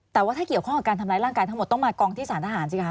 แต่ว่าถ้าเกี่ยวข้องกับการทำร้ายร่างกายทั้งหมดต้องมากองที่สารทหารสิคะ